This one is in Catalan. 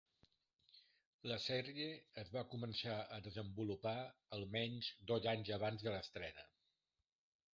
La sèrie es va començar a desenvolupar almenys dos anys abans de l'estrena.